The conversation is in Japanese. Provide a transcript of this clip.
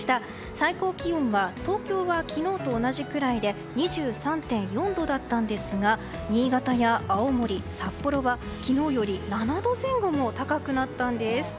最高気温は東京は昨日と同じくらいで２３．４度だったんですが新潟や青森、札幌は昨日より７度前後も高くなったんです。